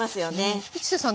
市瀬さん